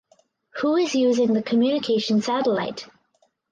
Who is Using the Communication Satellite?